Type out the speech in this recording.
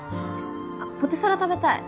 あっポテサラ食べたい。